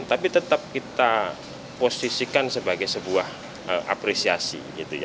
tapi tetap kita posisikan sebagai sebuah apresiasi